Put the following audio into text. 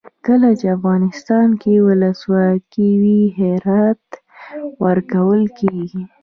کله چې افغانستان کې ولسواکي وي خیرات ورکول کیږي.